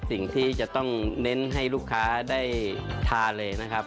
สิ่งที่จะต้องเน้นให้ลูกค้าได้ทานเลยนะครับ